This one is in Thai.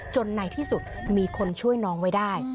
ในที่สุดมีคนช่วยน้องไว้ได้